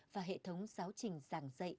và hệ thống giáo trình giảng dạy